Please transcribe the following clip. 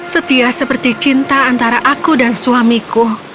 setia seperti cinta antara aku dan suamiku